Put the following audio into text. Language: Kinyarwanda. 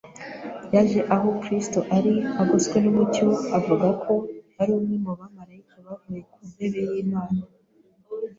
Yaje aho Kristo ari agoswe n’umucyo, avuga ko ari umwe mu bamarayika bavuye ku ntebe y’Imana;